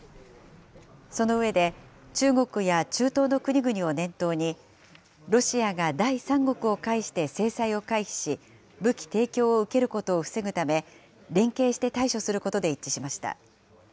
その上で、中国や中東の国々を念頭に、ロシアが第三国を介して制裁を回避し、武器提供を受けることを防ぐため、連携して対処することで一致しました。